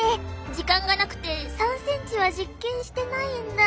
時間がなくて３ｃｍは実験してないんだ。